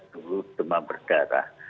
dulu demam berdarah